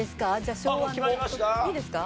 昭和の曲ですか？